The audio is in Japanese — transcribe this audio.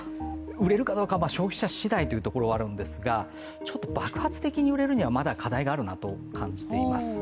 売れるかどうかは消費者次第というところはあるんですが、ちょっと爆発的に売れるにはまだ課題があるなと感じています。